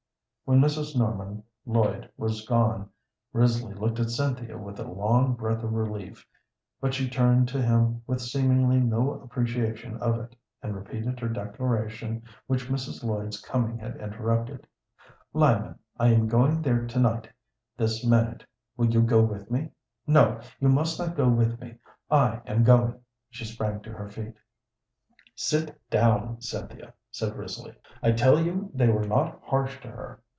When Mrs. Norman Lloyd was gone, Risley looked at Cynthia with a long breath of relief, but she turned to him with seemingly no appreciation of it, and repeated her declaration which Mrs. Lloyd's coming had interrupted: "Lyman, I am going there to night this minute. Will you go with me? No, you must not go with me. I am going!" She sprang to her feet. "Sit down, Cynthia," said Risley. "I tell you they were not harsh to her.